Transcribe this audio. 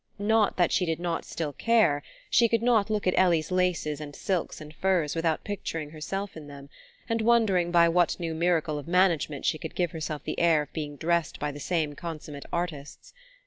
Not that she did not still care: she could not look at Ellie's laces and silks and furs without picturing herself in them, and wondering by what new miracle of management she could give herself the air of being dressed by the same consummate artists.